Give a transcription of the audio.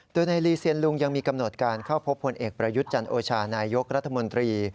โดยในลีเซียนลุงยังมีกำหนดการเข้าพบพลเอกประยุทธ์จันโอชานายกรัฐมนตรี